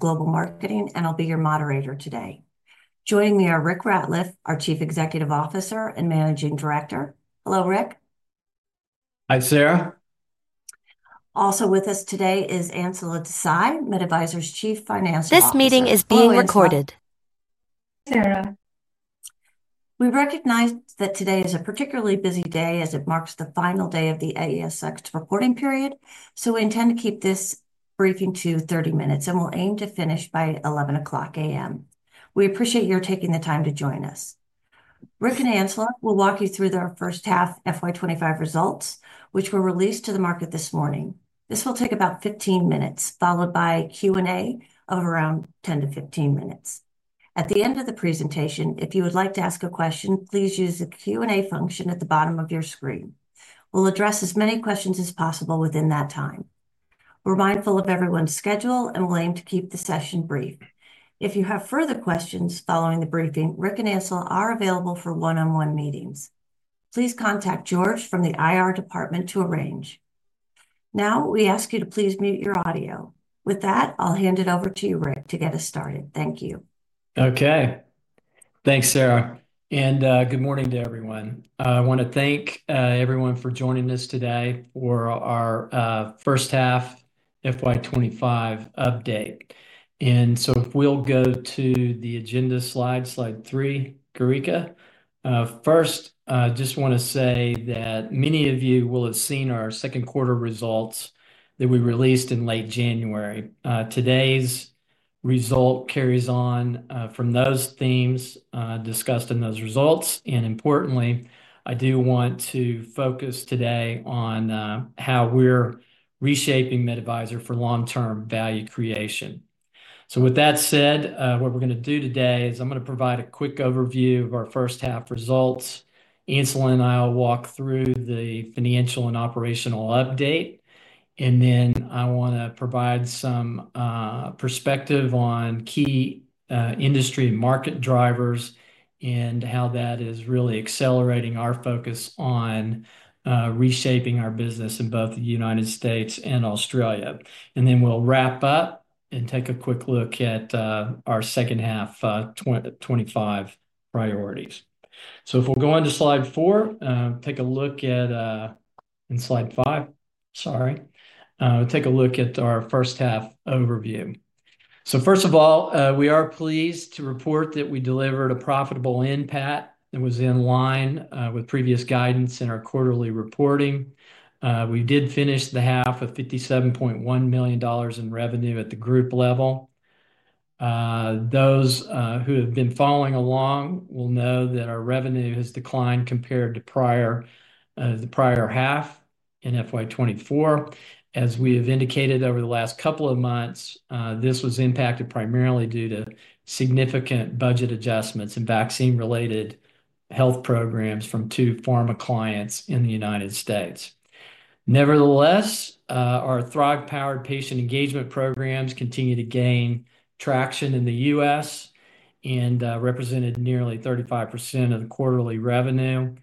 Global Marketing, and I'll be your moderator today. Joining me are Rick Ratliff, our Chief Executive Officer and Managing Director. Hello, Rick. Hi, Sarah. Also with us today is Ancila Desai, MedAdvisor's Chief Financial Officer. This meeting is being recorded. Sarah. We recognize that today is a particularly busy day as it marks the final day of the ASX reporting period, so we intend to keep this briefing to 30 minutes and will aim to finish by 11:00 A.M. We appreciate your taking the time to join us. Rick and Ancila will walk you through their first half FY25 results, which were released to the market this morning. This will take about 15 minutes, followed by Q&A of around 10-15 minutes. At the end of the presentation, if you would like to ask a question, please use the Q&A function at the bottom of your screen. We'll address as many questions as possible within that time. We're mindful of everyone's schedule and will aim to keep the session brief. If you have further questions following the briefing, Rick and Ancila are available for one-on-one meetings. Please contact George from the IR Department to arrange. Now, we ask you to please mute your audio. With that, I'll hand it over to you, Rick, to get us started. Thank you. Okay. Thanks, Sarah. Good morning to everyone. I want to thank everyone for joining us today for our first half FY 2025 update. If we go to the agenda slide, slide three, Gaurika. First, I just want to say that many of you will have seen our second quarter results that we released in late January. Today's result carries on from those themes discussed in those results. Importantly, I do want to focus today on how we're reshaping MedAdvisor for long-term value creation. With that said, what we're going to do today is I'm going to provide a quick overview of our first half results. Ancila and I will walk through the financial and operational update. I want to provide some perspective on key industry market drivers and how that is really accelerating our focus on reshaping our business in both the United States and Australia. We'll wrap up and take a quick look at our second half 2025 priorities. If we go on to slide four, take a look at, in slide five, sorry, take a look at our first half overview. First of all, we are pleased to report that we delivered a profitable impact that was in line with previous guidance in our quarterly reporting. We did finish the half with 57.1 million dollars in revenue at the group level. Those who have been following along will know that our revenue has declined compared to the prior half in FY 2024. As we have indicated over the last couple of months, this was impacted primarily due to significant budget adjustments in vaccine-related health programs from two pharma clients in the United States. Nevertheless, our Thrive-powered patient engagement programs continue to gain traction in the U.S. and represented nearly 35% of the quarterly revenue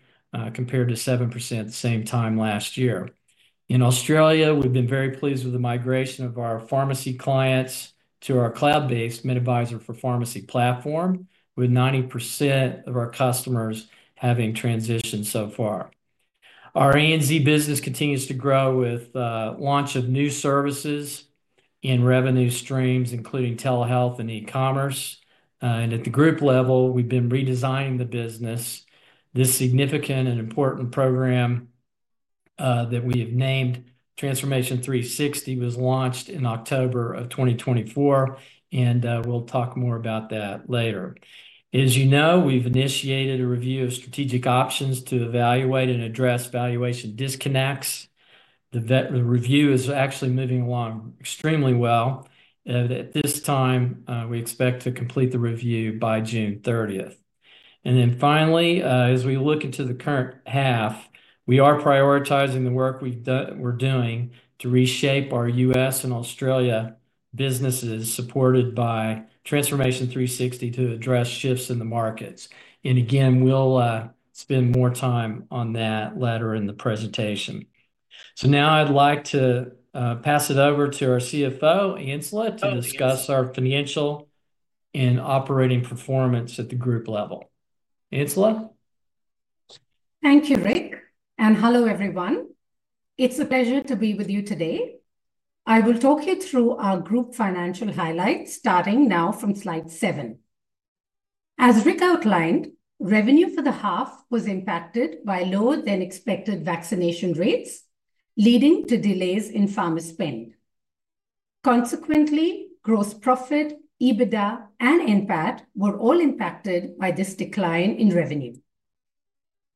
compared to 7% at the same time last year. In Australia, we've been very pleased with the migration of our pharmacy clients to our cloud-based MedAdvisor for Pharmacy platform, with 90% of our customers having transitioned so far. Our ANZ business continues to grow with the launch of new services and revenue streams, including telehealth and e-commerce. At the group level, we've been redesigning the business. This significant and important program that we have named, Transformation 360, was launched in October of 2024, and we'll talk more about that later. As you know, we've initiated a review of strategic options to evaluate and address valuation disconnects. The review is actually moving along extremely well. At this time, we expect to complete the review by June 30th. Finally, as we look into the current half, we are prioritizing the work we're doing to reshape our U.S. and Australia businesses supported by Transformation 360 to address shifts in the markets. Again, we'll spend more time on that later in the presentation. Now I'd like to pass it over to our CFO, Ancila, to discuss our financial and operating performance at the group level. Ancila? Thank you, Rick. Hello, everyone. It's a pleasure to be with you today. I will talk you through our group financial highlights starting now from slide seven. As Rick outlined, revenue for the half was impacted by lower-than-expected vaccination rates, leading to delays in pharma spend. Consequently, gross profit, EBITDA, and NPAT were all impacted by this decline in revenue.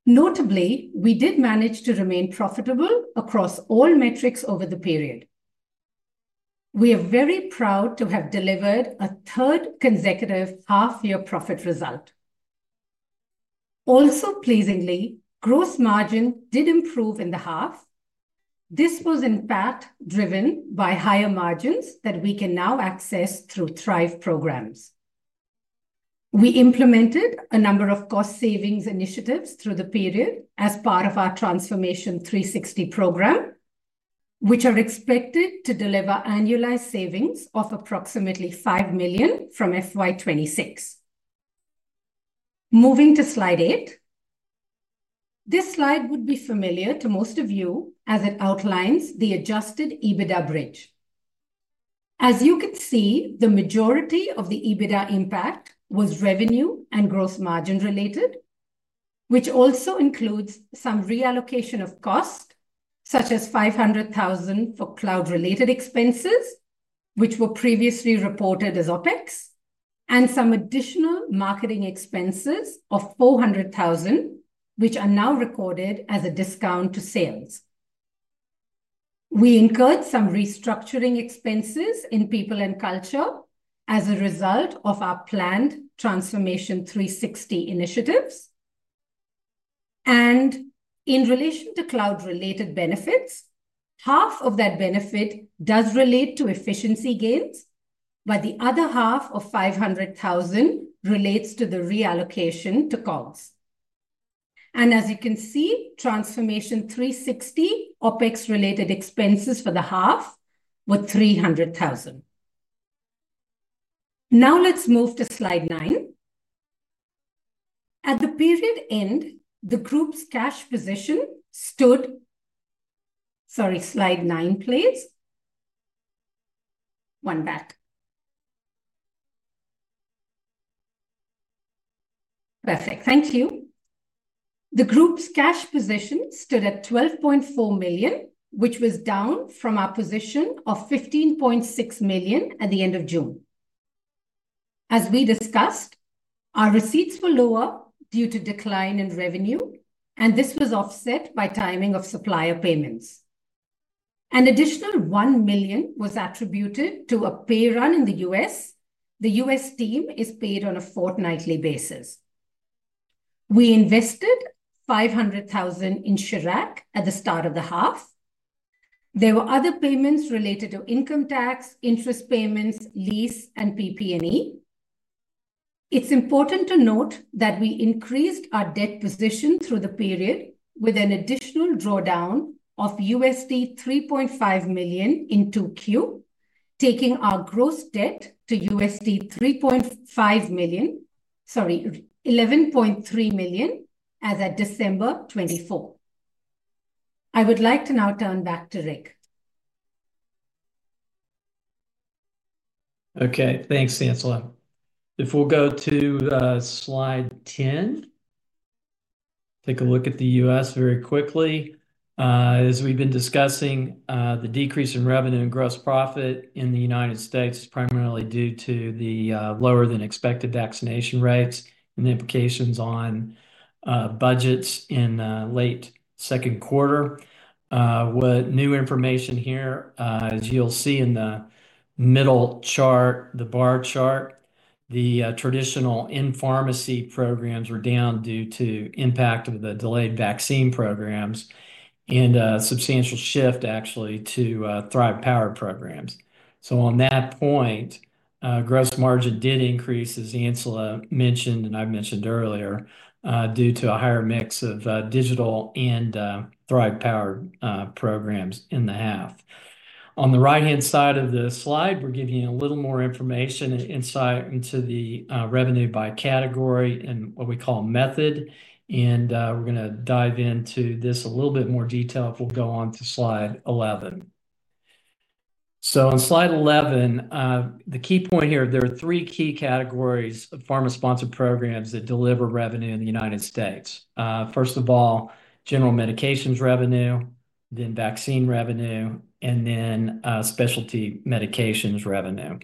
Notably, we did manage to remain profitable across all metrics over the period. We are very proud to have delivered a third consecutive half-year profit result. Also pleasingly, gross margin did improve in the half. This was, in fact, driven by higher margins that we can now access through Thrive programs. We implemented a number of cost savings initiatives through the period as part of our Transformation 360 program, which are expected to deliver annualized savings of approximately 5 million from FY 2026. Moving to slide eight, this slide would be familiar to most of you as it outlines the adjusted EBITDA bridge. As you can see, the majority of the EBITDA impact was revenue and gross margin related, which also includes some reallocation of cost, such as 500,000 for cloud-related expenses, which were previously reported as OpEx, and some additional marketing expenses of 400,000, which are now recorded as a discount to sales. We incurred some restructuring expenses in People and Culture as a result of our planned Transformation 360 initiatives. In relation to cloud-related benefits, half of that benefit does relate to efficiency gains, but the other half of 500,000 relates to the reallocation to COGS. As you can see, Transformation 360 OpEx-related expenses for the half were 300,000. Now let's move to slide nine. At the period end, the group's cash position stood, sorry, slide nine please. One back. Perfect. Thank you. The group's cash position stood at 12.4 million, which was down from our position of 15.6 million at the end of June. As we discussed, our receipts were lower due to decline in revenue, and this was offset by timing of supplier payments. An additional 1 million was attributed to a pay run in the U.S. The US team is paid on a fortnightly basis. We invested 500,000 in Charac at the start of the half. There were other payments related to income tax, interest payments, lease, and PP&E. It's important to note that we increased our debt position through the period with an additional drawdown of AUD 3.5 million in Q2, taking our gross debt to 11.3 million as at December 2024. I would like to now turn back to Rick. Okay. Thanks, Ancila. If we'll go to slide 10, take a look at the US very quickly. As we've been discussing, the decrease in revenue and gross profit in the United States is primarily due to the lower-than-expected vaccination rates and the implications on budgets in the late second quarter. New information here, as you'll see in the middle chart, the bar chart, the traditional in-pharmacy programs were down due to the impact of the delayed vaccine programs and a substantial shift, actually, to Thrive-powered programs. On that point, gross margin did increase, as Ancila mentioned, and I've mentioned earlier, due to a higher mix of digital and Thrive-powered programs in the half. On the right-hand side of the slide, we're giving you a little more information and insight into the revenue by category and what we call method. We're going to dive into this in a little bit more detail if we go on to slide 11. On slide 11, the key point here is there are three key categories of pharma-sponsored programs that deliver revenue in the United States. First of all, general medications revenue, then vaccine revenue, and then specialty medications revenue.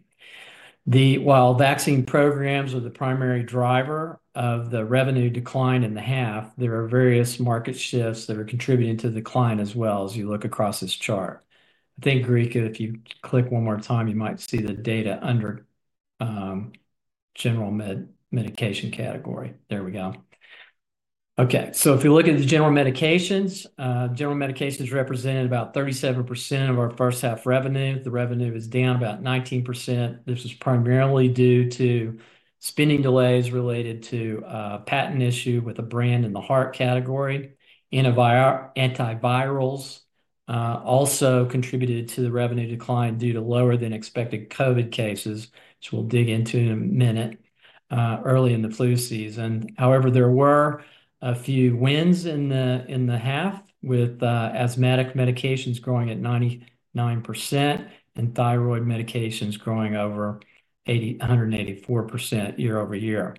While vaccine programs are the primary driver of the revenue decline in the half, there are various market shifts that are contributing to the decline as well as you look across this chart. I think, Gaurika, if you click one more time, you might see the data under general medication category. There we go. If you look at the general medications, general medications represented about 37% of our first half revenue. The revenue is down about 19%. This was primarily due to spending delays related to a patent issue with a brand in the heart category. Antivirals also contributed to the revenue decline due to lower-than-expected COVID cases, which we'll dig into in a minute early in the flu season. However, there were a few wins in the half with asthmatic medications growing at 99% and thyroid medications growing over 184% year-over-year.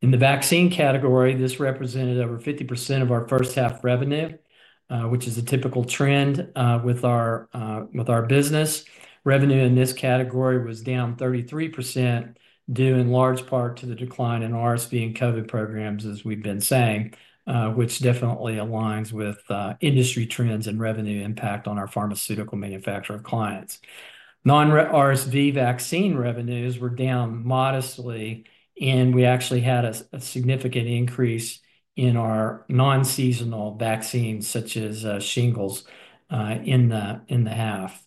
In the vaccine category, this represented over 50% of our first half revenue, which is a typical trend with our business. Revenue in this category was down 33% due in large part to the decline in RSV and COVID programs, as we've been saying, which definitely aligns with industry trends and revenue impact on our pharmaceutical manufacturer clients. Non-RSV vaccine revenues were down modestly, and we actually had a significant increase in our non-seasonal vaccines, such as shingles, in the half.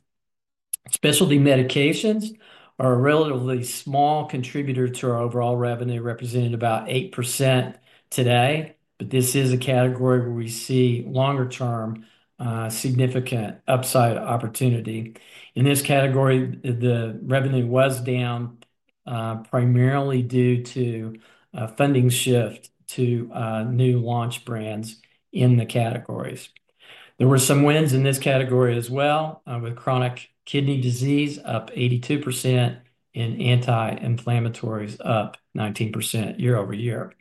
Specialty medications are a relatively small contributor to our overall revenue, representing about 8% today. This is a category where we see longer-term significant upside opportunity. In this category, the revenue was down primarily due to a funding shift to new launch brands in the categories. There were some wins in this category as well, with chronic kidney disease up 82% and anti-inflammatories up 19% year over year.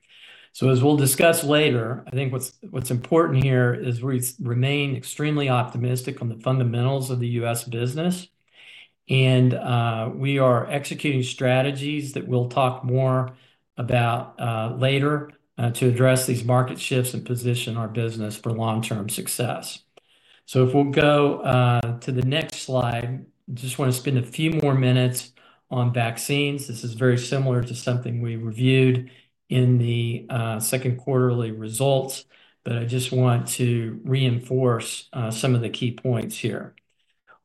As we'll discuss later, I think what's important here is we remain extremely optimistic on the fundamentals of the US business. We are executing strategies that we'll talk more about later to address these market shifts and position our business for long-term success. If we'll go to the next slide, I just want to spend a few more minutes on vaccines. This is very similar to something we reviewed in the second quarterly results, but I just want to reinforce some of the key points here.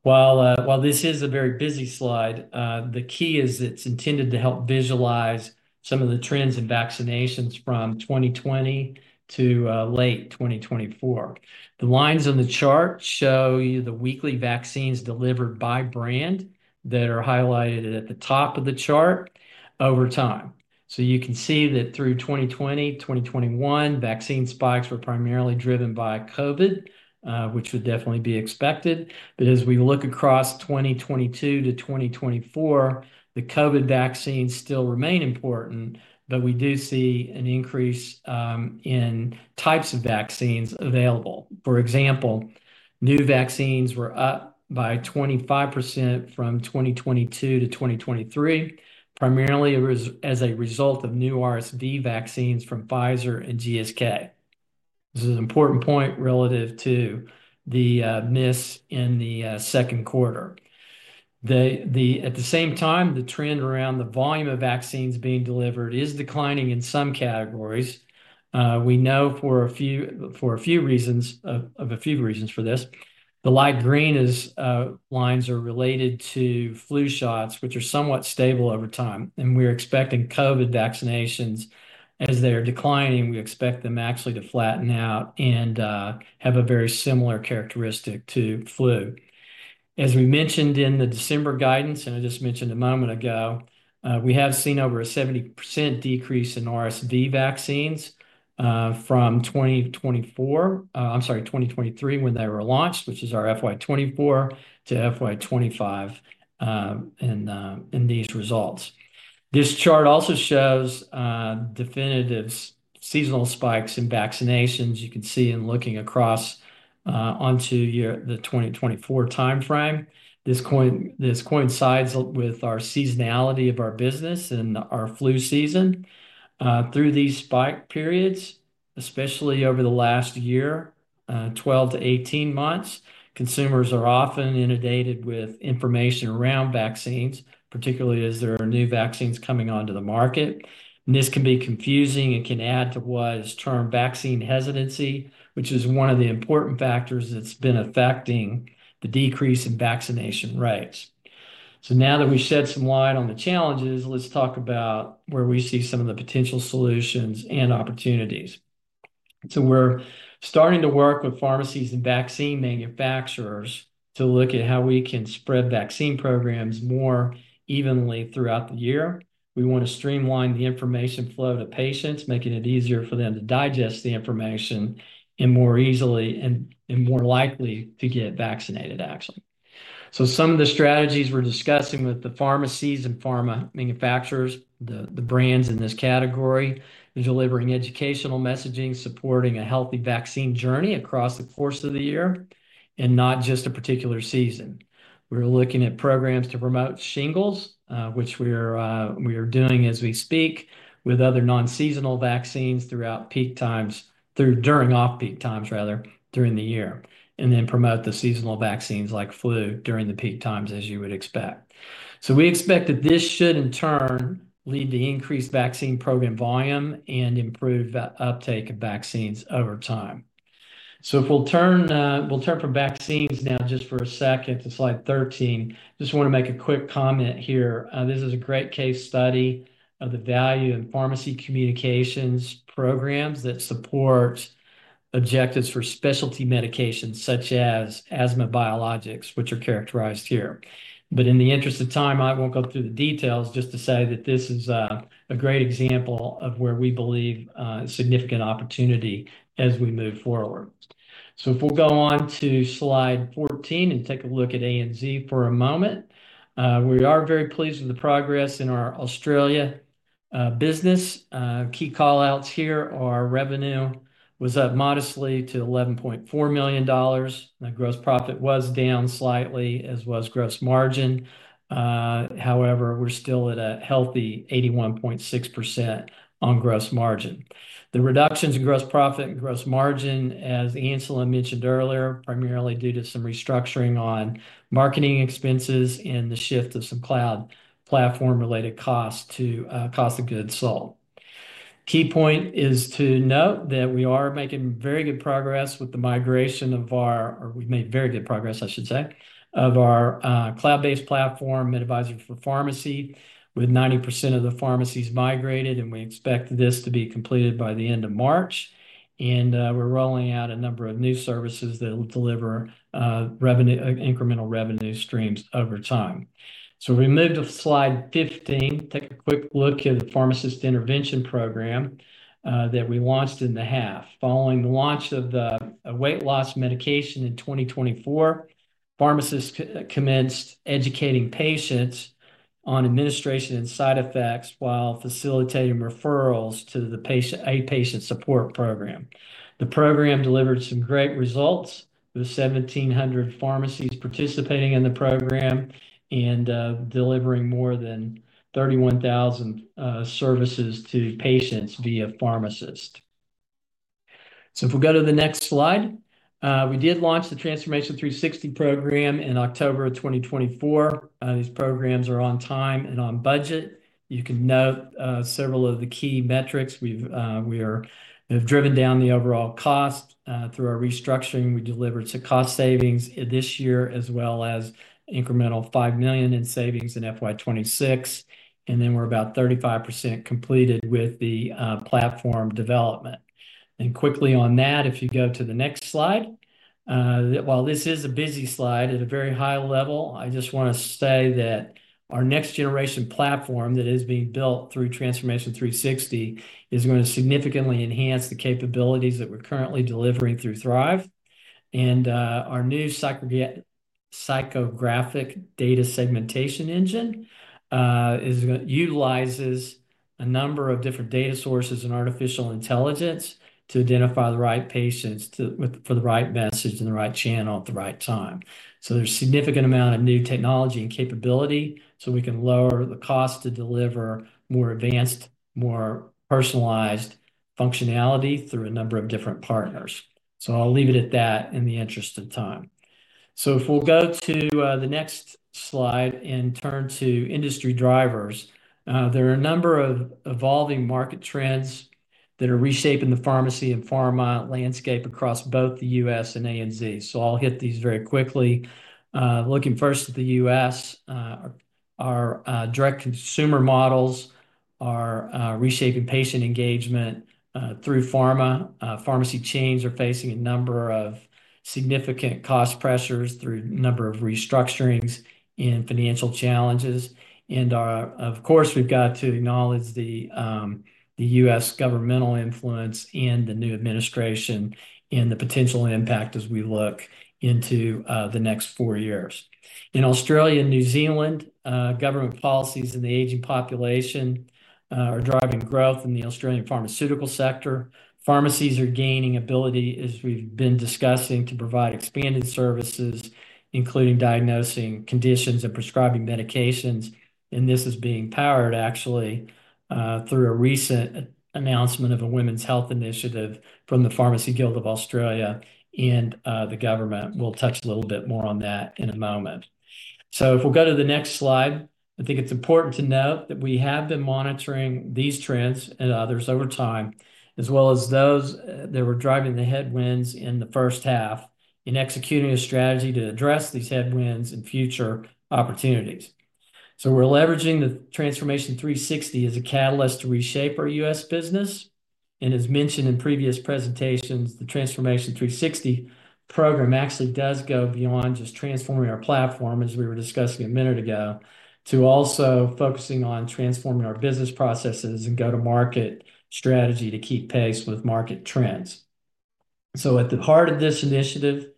While this is a very busy slide, the key is it's intended to help visualize some of the trends in vaccinations from 2020 to late 2024. The lines on the chart show you the weekly vaccines delivered by brand that are highlighted at the top of the chart over time. You can see that through 2020, 2021, vaccine spikes were primarily driven by COVID, which would definitely be expected. As we look across 2022 to 2024, the COVID vaccines still remain important, but we do see an increase in types of vaccines available. For example, new vaccines were up by 25% from 2022 to 2023, primarily as a result of new RSV vaccines from Pfizer and GSK. This is an important point relative to the miss in the second quarter. At the same time, the trend around the volume of vaccines being delivered is declining in some categories. We know for a few reasons for this. The light green lines are related to flu shots, which are somewhat stable over time. We are expecting COVID vaccinations, as they are declining, we expect them actually to flatten out and have a very similar characteristic to flu. As we mentioned in the December guidance, and I just mentioned a moment ago, we have seen over a 70% decrease in RSV vaccines from 2024, I'm sorry, 2023 when they were launched, which is our FY 2024 to FY 2025 in these results. This chart also shows definitive seasonal spikes in vaccinations. You can see in looking across onto the 2024 timeframe. This coincides with the seasonality of our business and our flu season. Through these spike periods, especially over the last year, 12 to 18 months, consumers are often inundated with information around vaccines, particularly as there are new vaccines coming onto the market. This can be confusing and can add to what is termed vaccine hesitancy, which is one of the important factors that has been affecting the decrease in vaccination rates. Now that we have shed some light on the challenges, let's talk about where we see some of the potential solutions and opportunities. We are starting to work with pharmacies and vaccine manufacturers to look at how we can spread vaccine programs more evenly throughout the year. We want to streamline the information flow to patients, making it easier for them to digest the information and more easily and more likely to get vaccinated, actually. Some of the strategies we're discussing with the pharmacies and pharma manufacturers, the brands in this category, are delivering educational messaging, supporting a healthy vaccine journey across the course of the year and not just a particular season. We're looking at programs to promote shingles, which we are doing as we speak, with other non-seasonal vaccines throughout peak times, during off-peak times, rather, during the year, and then promote the seasonal vaccines like flu during the peak times, as you would expect. We expect that this should, in turn, lead to increased vaccine program volume and improved uptake of vaccines over time. If we'll turn from vaccines now just for a second to slide 13, I just want to make a quick comment here. This is a great case study of the value of pharmacy communications programs that support objectives for specialty medications, such as asthma biologics, which are characterized here. In the interest of time, I won't go through the details, just to say that this is a great example of where we believe a significant opportunity as we move forward. If we go on to slide 14 and take a look at ANZ for a moment, we are very pleased with the progress in our Australia business. Key callouts here are revenue was up modestly to 11.4 million dollars. The gross profit was down slightly, as was gross margin. However, we're still at a healthy 81.6% on gross margin. The reductions in gross profit and gross margin, as Ancila mentioned earlier, are primarily due to some restructuring on marketing expenses and the shift of some cloud platform-related costs to cost of goods sold. Key point is to note that we are making very good progress with the migration of our—or we've made very good progress, I should say—of our cloud-based platform, MedAdvisor for Pharmacy, with 90% of the pharmacies migrated. We expect this to be completed by the end of March. We are rolling out a number of new services that will deliver incremental revenue streams over time. If we move to slide 15, take a quick look at the pharmacist intervention program that we launched in the half. Following the launch of the weight loss medication in 2024, pharmacists commenced educating patients on administration and side effects while facilitating referrals to the a patient support program. The program delivered some great results with 1,700 pharmacies participating in the program and delivering more than 31,000 services to patients via pharmacist. If we go to the next slide, we did launch the Transformation 360 program in October of 2024. These programs are on time and on budget. You can note several of the key metrics. We have driven down the overall cost through our restructuring. We delivered some cost savings this year, as well as incremental 5 million in savings in FY 2026. We are about 35% completed with the platform development. Quickly on that, if you go to the next slide, while this is a busy slide at a very high level, I just want to say that our next-generation platform that is being built through Transformation 360 is going to significantly enhance the capabilities that we are currently delivering through Thrive. Our new psychographic data segmentation engine utilizes a number of different data sources and artificial intelligence to identify the right patients for the right message and the right channel at the right time. There is a significant amount of new technology and capability so we can lower the cost to deliver more advanced, more personalized functionality through a number of different partners. I will leave it at that in the interest of time. If we will go to the next slide and turn to industry drivers, there are a number of evolving market trends that are reshaping the pharmacy and pharma landscape across both the U.S. and ANZ. I will hit these very quickly. Looking first at the U.S., our direct consumer models are reshaping patient engagement through pharma. Pharmacy chains are facing a number of significant cost pressures through a number of restructurings and financial challenges. Of course, we've got to acknowledge the US governmental influence and the new administration and the potential impact as we look into the next four years. In Australia and New Zealand, government policies in the aging population are driving growth in the Australian pharmaceutical sector. Pharmacies are gaining ability, as we've been discussing, to provide expanded services, including diagnosing conditions and prescribing medications. This is being powered, actually, through a recent announcement of a women's health initiative from the Pharmacy Guild of Australia and the government. We'll touch a little bit more on that in a moment. If we'll go to the next slide, I think it's important to note that we have been monitoring these trends and others over time, as well as those that were driving the headwinds in the first half in executing a strategy to address these headwinds and future opportunities. We're leveraging the Transformation 360 as a catalyst to reshape our US business. As mentioned in previous presentations, the Transformation 360 program actually does go beyond just transforming our platform, as we were discussing a minute ago, to also focusing on transforming our business processes and go-to-market strategy to keep pace with market trends. At the heart of this initiative,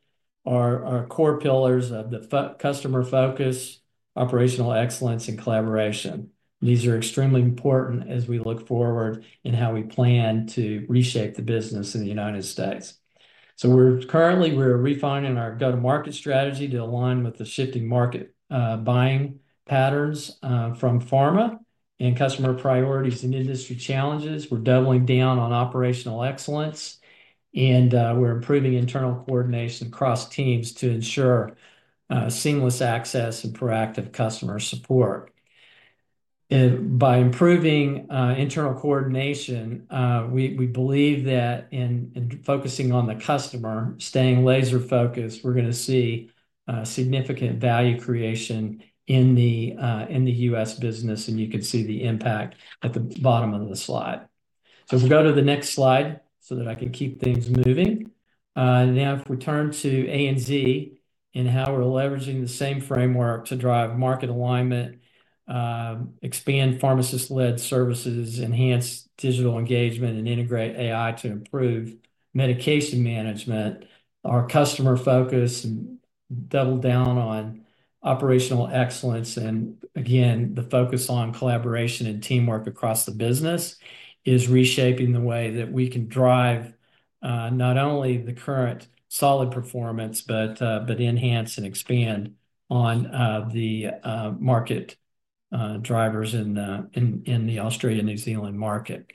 our core pillars are customer focus, operational excellence, and collaboration. These are extremely important as we look forward in how we plan to reshape the business in the United States. Currently, we're refining our go-to-market strategy to align with the shifting market buying patterns from pharma and customer priorities and industry challenges. We're doubling down on operational excellence, and we're improving internal coordination across teams to ensure seamless access and proactive customer support. By improving internal coordination, we believe that in focusing on the customer, staying laser-focused, we're going to see significant value creation in the US business. You can see the impact at the bottom of the slide. If we go to the next slide so that I can keep things moving. Now, if we turn to ANZ and how we're leveraging the same framework to drive market alignment, expand pharmacist-led services, enhance digital engagement, and integrate AI to improve medication management, our customer focus and double down on operational excellence. Again, the focus on collaboration and teamwork across the business is reshaping the way that we can drive not only the current solid performance, but enhance and expand on the market drivers in the Australia and New Zealand market.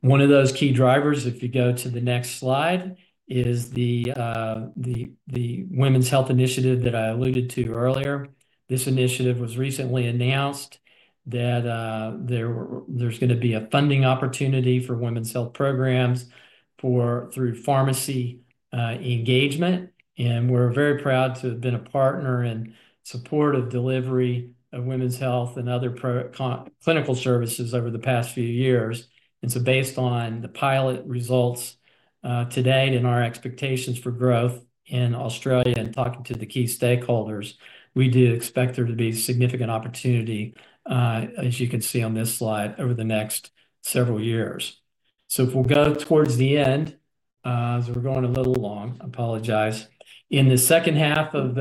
One of those key drivers, if you go to the next slide, is the women's health initiative that I alluded to earlier. This initiative was recently announced that there's going to be a funding opportunity for women's health programs through pharmacy engagement. We're very proud to have been a partner in support of delivery of women's health and other clinical services over the past few years. Based on the pilot results to date and our expectations for growth in Australia and talking to the key stakeholders, we do expect there to be significant opportunity, as you can see on this slide, over the next several years. If we'll go towards the end, as we're going a little long, I apologize. In the second half of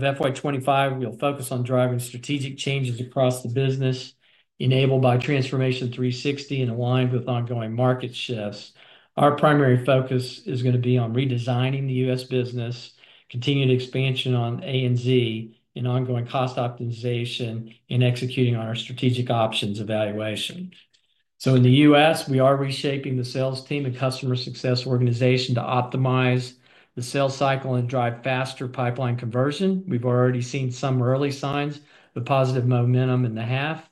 FY2025, we'll focus on driving strategic changes across the business enabled by Transformation 360 and aligned with ongoing market shifts. Our primary focus is going to be on redesigning the US business, continued expansion on ANZ, and ongoing cost optimization and executing on our strategic options evaluation. In the US, we are reshaping the sales team and customer success organization to optimize the sales cycle and drive faster pipeline conversion. We've already seen some early signs of positive momentum in the half.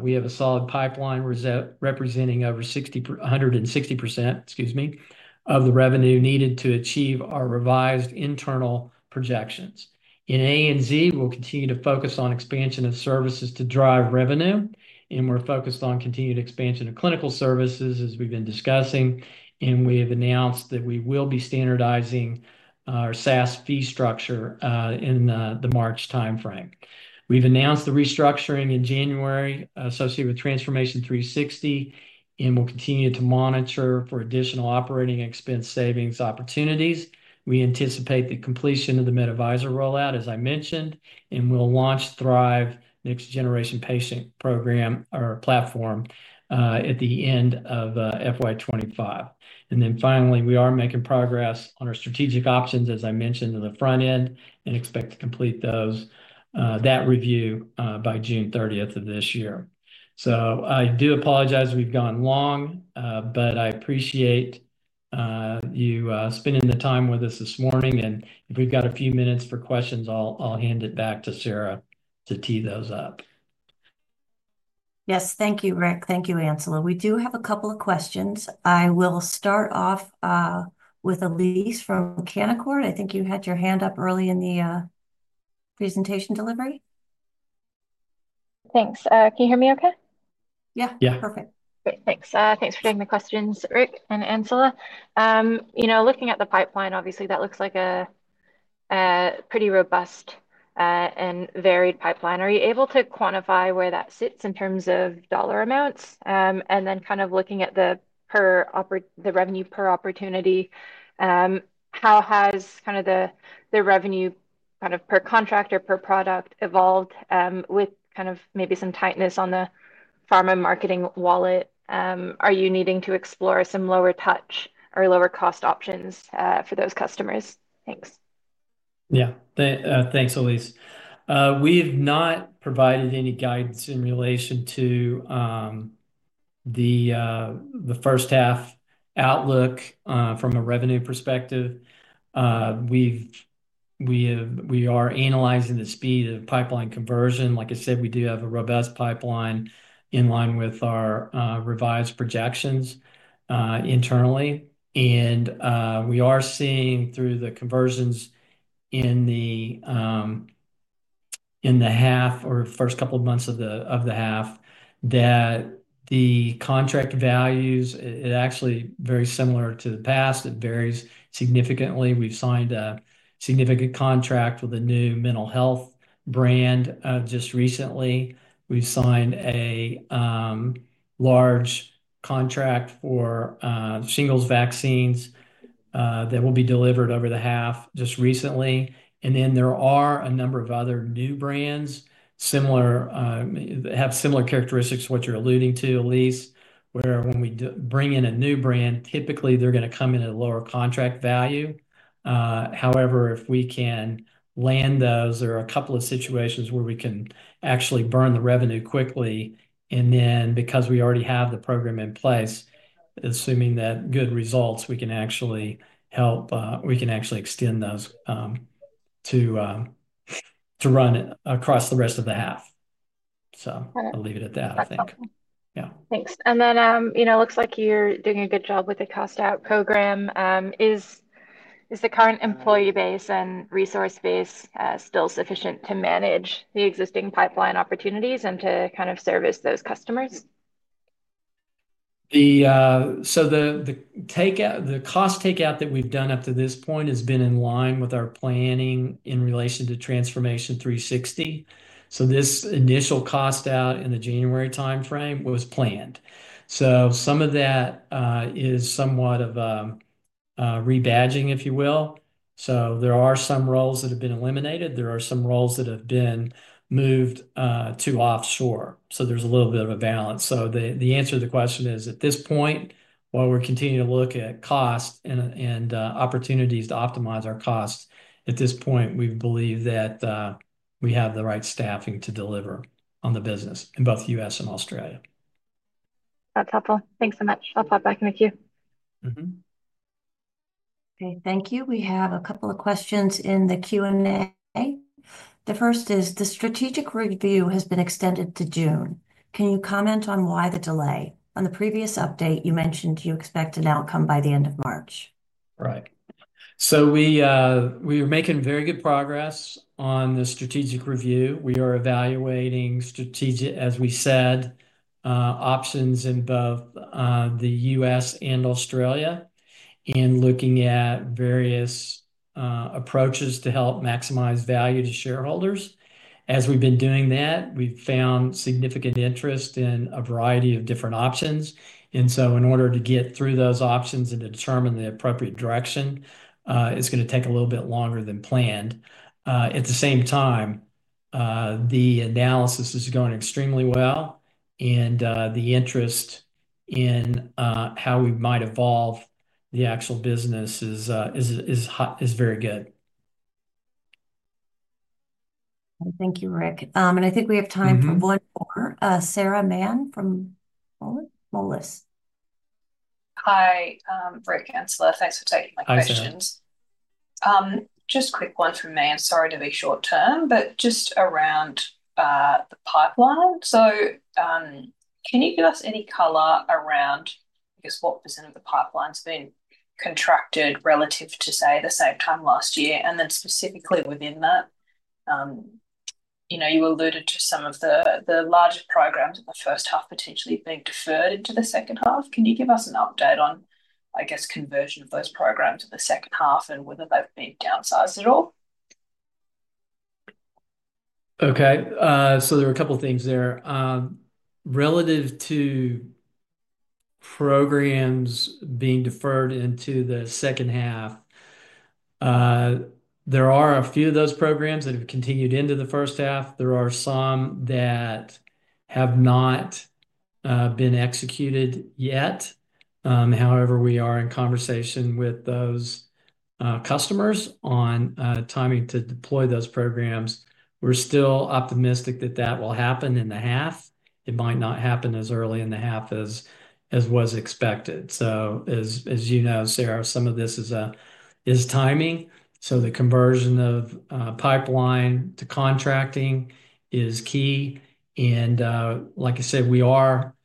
We have a solid pipeline representing over 160% of the revenue needed to achieve our revised internal projections. In ANZ, we'll continue to focus on expansion of services to drive revenue. We're focused on continued expansion of clinical services, as we've been discussing. We have announced that we will be standardizing our SaaS fee structure in the March timeframe. We've announced the restructuring in January associated with Transformation 360, and we'll continue to monitor for additional operating expense savings opportunities. We anticipate the completion of the MedAdvisor rollout, as I mentioned, and we will launch Thrive Next Generation Patient Program or platform at the end of FY 2025. Finally, we are making progress on our strategic options, as I mentioned, to the front end and expect to complete that review by June 30 of this year. I do apologize we have gone long, but I appreciate you spending the time with us this morning. If we have a few minutes for questions, I will hand it back to Sarah to tee those up. Yes. Thank you, Rick. Thank you, Ancila. We do have a couple of questions. I will start off with Elise from Canaccord. I think you had your hand up early in the presentation delivery. Thanks. Can you hear me okay? Yeah. Yeah. Perfect. Thanks. Thanks for taking the questions, Rick and Ancila. Looking at the pipeline, obviously, that looks like a pretty robust and varied pipeline. Are you able to quantify where that sits in terms of dollar amounts? Then kind of looking at the revenue per opportunity, how has kind of the revenue kind of per contract or per product evolved with kind of maybe some tightness on the pharma marketing wallet? Are you needing to explore some lower touch or lower cost options for those customers? Thanks. Yeah. Thanks, Elise. We have not provided any guidance in relation to the first-half outlook from a revenue perspective. We are analyzing the speed of pipeline conversion. Like I said, we do have a robust pipeline in line with our revised projections internally. We are seeing through the conversions in the half or first couple of months of the half that the contract values are actually very similar to the past. It varies significantly. We've signed a significant contract with a new mental health brand just recently. We've signed a large contract for shingles vaccines that will be delivered over the half just recently. There are a number of other new brands that have similar characteristics to what you're alluding to, Elise, where when we bring in a new brand, typically they're going to come in at a lower contract value. However, if we can land those, there are a couple of situations where we can actually burn the revenue quickly. Because we already have the program in place, assuming that good results, we can actually help, we can actually extend those to run across the rest of the half. I'll leave it at that, I think. Yeah. Thanks. It looks like you're doing a good job with the cost-out program. Is the current employee base and resource base still sufficient to manage the existing pipeline opportunities and to kind of service those customers? The cost takeout that we've done up to this point has been in line with our planning in relation to Transformation 360. This initial cost-out in the January timeframe was planned. Some of that is somewhat of rebadging, if you will. There are some roles that have been eliminated. There are some roles that have been moved to offshore. There's a little bit of a balance. The answer to the question is, at this point, while we're continuing to look at cost and opportunities to optimize our cost, at this point, we believe that we have the right staffing to deliver on the business in both the U.S. and Australia. That's helpful. Thanks so much. I'll pop back in with you. Okay. Thank you. We have a couple of questions in the Q&A. The first is, the strategic review has been extended to June. Can you comment on why the delay? On the previous update, you mentioned you expect an outcome by the end of March. Right. We are making very good progress on the strategic review. We are evaluating, as we said, options in both the U.S. and Australia and looking at various approaches to help maximize value to shareholders. As we have been doing that, we have found significant interest in a variety of different options. In order to get through those options and to determine the appropriate direction, it is going to take a little bit longer than planned. At the same time, the analysis is going extremely well, and the interest in how we might evolve the actual business is very good. Thank you, Rick. I think we have time for one more. Sarah Mann from Moelis. Hi, Rick, Ancila. Thanks for taking my questions. Just a quick one from me. I'm sorry to be short-term, but just around the pipeline. Can you give us any color around, I guess, what percentage of the pipeline has been contracted relative to, say, the same time last year? Then specifically within that, you alluded to some of the larger programs in the first half potentially being deferred into the second half. Can you give us an update on, I guess, conversion of those programs in the second half and whether they've been downsized at all? Okay. There are a couple of things there. Relative to programs being deferred into the second half, there are a few of those programs that have continued into the first half. There are some that have not been executed yet. However, we are in conversation with those customers on timing to deploy those programs. We're still optimistic that that will happen in the half. It might not happen as early in the half as was expected. As you know, Sarah, some of this is timing. The conversion of pipeline to contracting is key. Like I said, we are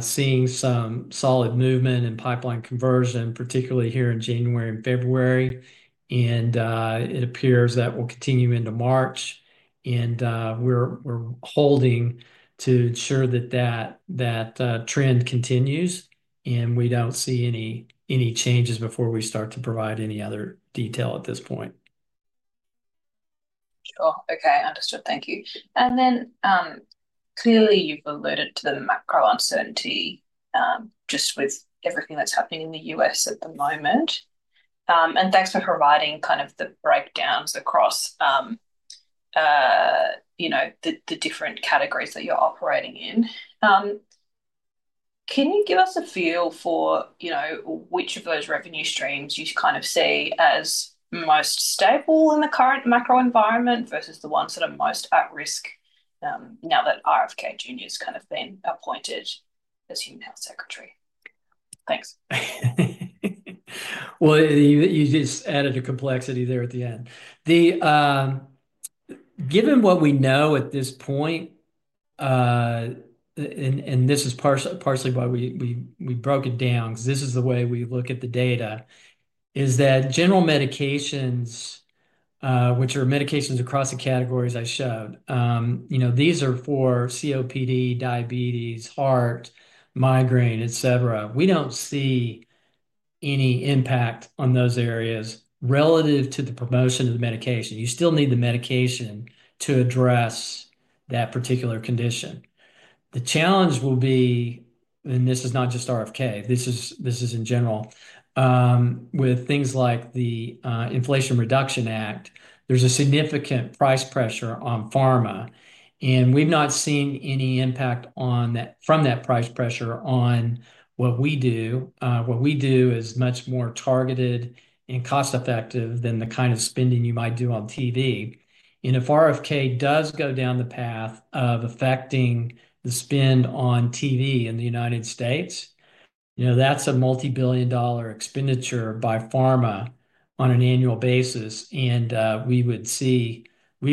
seeing some solid movement in pipeline conversion, particularly here in January and February. It appears that will continue into March. We're holding to ensure that that trend continues, and we don't see any changes before we start to provide any other detail at this point. Sure. Okay. Understood. Thank you. Clearly, you've alluded to the macro uncertainty just with everything that's happening in the U.S. at the moment. Thanks for providing kind of the breakdowns across the different categories that you're operating in. Can you give us a feel for which of those revenue streams you kind of see as most stable in the current macro environment versus the ones that are most at risk now that RFK Jr. has kind of been appointed as human health secretary? Thanks. You just added a complexity there at the end. Given what we know at this point, and this is partially why we broke it down because this is the way we look at the data, is that general medications, which are medications across the categories I showed, these are for COPD, diabetes, heart, migraine, etc. We don't see any impact on those areas relative to the promotion of the medication. You still need the medication to address that particular condition. The challenge will be, and this is not just RFK, this is in general, with things like the Inflation Reduction Act, there is a significant price pressure on pharma. We have not seen any impact from that price pressure on what we do. What we do is much more targeted and cost-effective than the kind of spending you might do on TV. If RFK does go down the path of affecting the spend on TV in the United States, that is a multi-billion dollar expenditure by pharma on an annual basis. We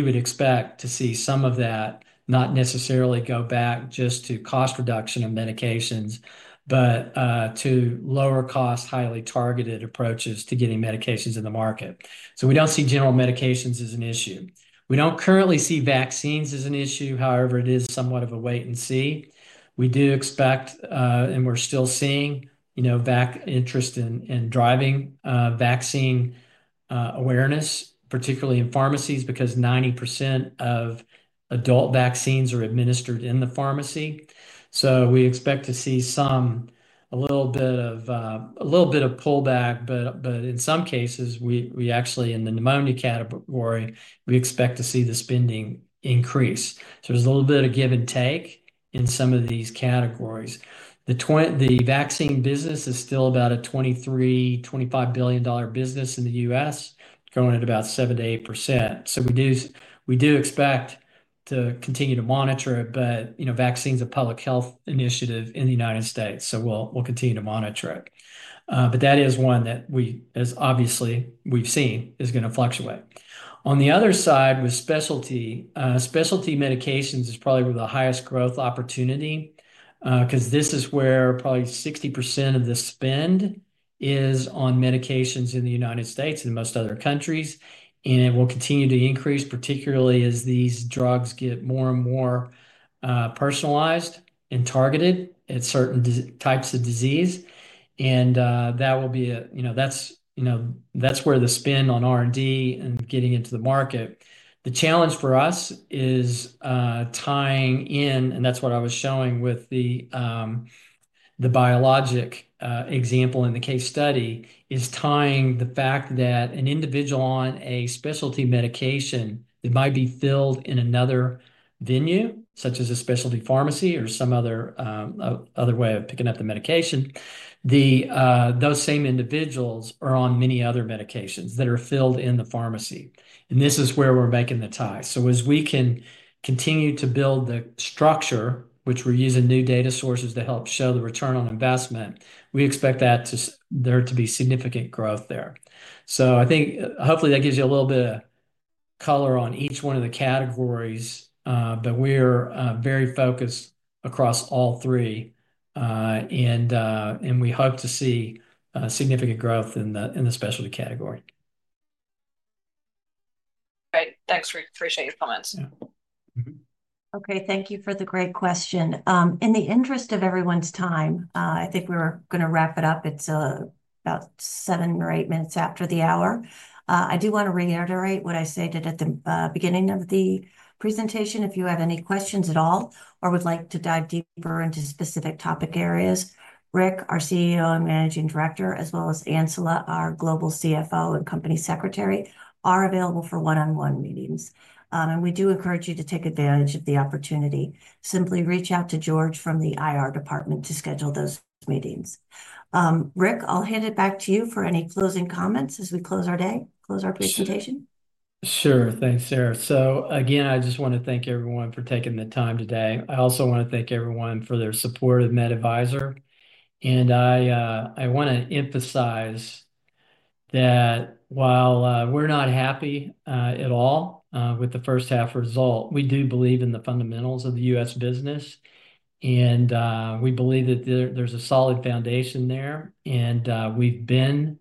would expect to see some of that not necessarily go back just to cost reduction of medications, but to lower-cost, highly targeted approaches to getting medications in the market. We do not see general medications as an issue. We do not currently see vaccines as an issue. However, it is somewhat of a wait and see. We do expect, and we're still seeing interest in driving vaccine awareness, particularly in pharmacies, because 90% of adult vaccines are administered in the pharmacy. We expect to see a little bit of a pullback. In some cases, actually, in the pneumonia category, we expect to see the spending increase. There is a little bit of give and take in some of these categories. The vaccine business is still about a 23 billion-25 billion dollar business in the US, growing at about 7%-8%. We do expect to continue to monitor it, but vaccine is a public health initiative in the United States. We will continue to monitor it. That is one that, obviously, we've seen is going to fluctuate. On the other side, with specialty, specialty medications is probably the highest growth opportunity because this is where probably 60% of the spend is on medications in the United States and most other countries. It will continue to increase, particularly as these drugs get more and more personalized and targeted at certain types of disease. That will be a that's where the spend on R&D and getting into the market. The challenge for us is tying in, and that's what I was showing with the biologic example in the case study, is tying the fact that an individual on a specialty medication that might be filled in another venue, such as a specialty pharmacy or some other way of picking up the medication, those same individuals are on many other medications that are filled in the pharmacy. This is where we're making the tie. As we continue to build the structure, which we're using new data sources to help show the return on investment, we expect there to be significant growth there. I think hopefully that gives you a little bit of color on each one of the categories. We're very focused across all three, and we hope to see significant growth in the specialty category. Great. Thanks, Rick. Appreciate your comments. Okay. Thank you for the great question. In the interest of everyone's time, I think we're going to wrap it up. It's about seven or eight minutes after the hour. I do want to reiterate what I stated at the beginning of the presentation. If you have any questions at all or would like to dive deeper into specific topic areas, Rick, our CEO and Managing Director, as well as Ancila, our global CFO and Company Secretary, are available for one-on-one meetings. We do encourage you to take advantage of the opportunity. Simply reach out to George from the IR department to schedule those meetings. Rick, I'll hand it back to you for any closing comments as we close our day, close our presentation. Sure. Thanks, Sarah. I just want to thank everyone for taking the time today. I also want to thank everyone for their support of MedAdvisor. I want to emphasize that while we're not happy at all with the first-half result, we do believe in the fundamentals of the US business. We believe that there's a solid foundation there. We've been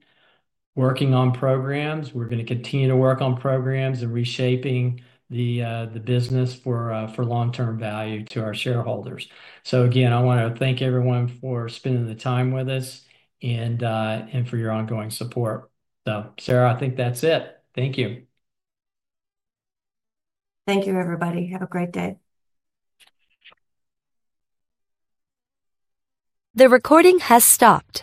working on programs. We're going to continue to work on programs and reshaping the business for long-term value to our shareholders. Again, I want to thank everyone for spending the time with us and for your ongoing support. Sarah, I think that's it. Thank you. Thank you, everybody. Have a great day. The recording has stopped.